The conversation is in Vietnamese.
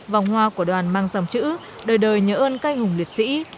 vòng hoa của đoàn mang dòng chữ đời đời nhớ ơn canh hùng liệt sĩ